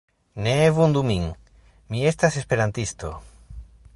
Neeee vundu min, mi estas Esperantisto...